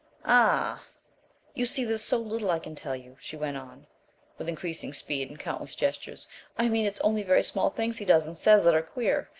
"Ah!" "You see, there's so little I can tell you," she went on, with increasing speed and countless gestures. "I mean it's only very small things he does and says that are queer.